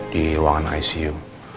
di ruangan icu